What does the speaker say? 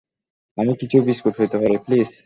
আমি কিছু বিস্কুট পেতে পারি, প্লিজ?